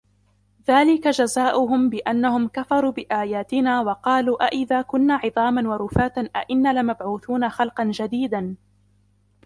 ذَلِكَ جَزَاؤُهُمْ بِأَنَّهُمْ كَفَرُوا بِآيَاتِنَا وَقَالُوا أَإِذَا كُنَّا عِظَامًا وَرُفَاتًا أَإِنَّا لَمَبْعُوثُونَ خَلْقًا جَدِيدًا